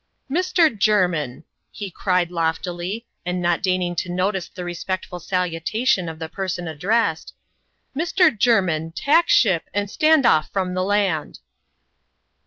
77 '* Mr. JermiD," he cried loftilj, and not deigning to notice the respectful salutation of the person addressed, ^* Mr. Jerminy tack ship, and stand off from the land."